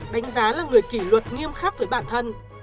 đánh giá là người kỷ luật nghiêm khắc với bản thân